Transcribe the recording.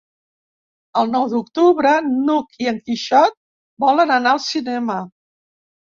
El nou d'octubre n'Hug i en Quixot volen anar al cinema.